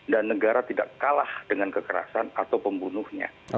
dan negara tidak kalah dengan kekerasan atau pembunuhnya